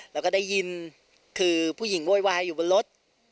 แล้วก็ได้ยินคือผู้หญิงโวยวายอยู่บนรถ